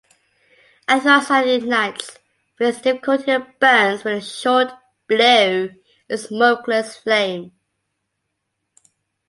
Anthracite ignites with difficulty and burns with a short, blue, and smokeless flame.